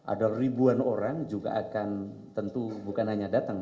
ada ribuan orang juga akan tentu bukan hanya datang